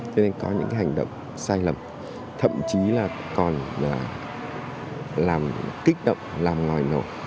cho nên có những hành động sai lầm thậm chí là còn làm kích động làm ngòi nổ